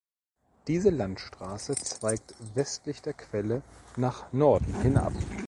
Diese Landstraße zweigt westlich der Quelle nach Norden hin ab.